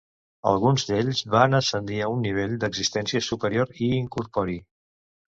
Alguns d'ells van ascendir a un nivell d'existència superior i incorpori.